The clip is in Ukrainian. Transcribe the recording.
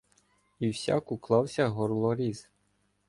І всяк уклався горлоріз.